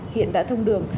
hiện đã thông đường